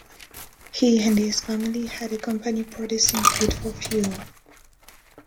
He and his family had a company producing peat for fuel.